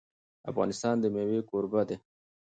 افغانستان د مېوې کوربه دی.